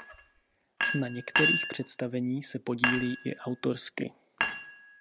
Na některých představení se podílí i autorsky.